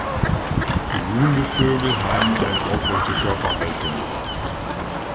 Ruhende Vögel haben eine aufrechte Körperhaltung.